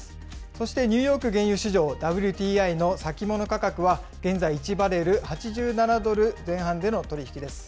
そしてニューヨーク原油市場、ＷＴＩの先物価格は、現在１バレル８７ドル前半での取り引きです。